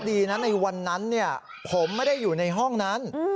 ดีนะในวันนั้นผมไม่ได้อยู่ในห้องนั้น